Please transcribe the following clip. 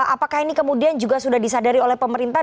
apakah ini kemudian juga sudah disadari oleh pemerintah